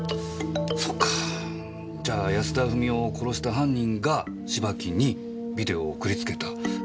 そっかじゃあ安田富美代を殺した犯人が芝木にビデオを送りつけた。